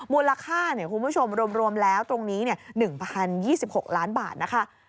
มูลค่าคุณผู้ชมรวมแล้วตรงนี้๑๐๒๖ล้านบาทนะคะ